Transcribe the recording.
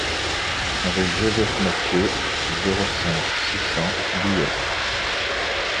Rue Joseph Mathieu, zéro cinq, six cents Guillestre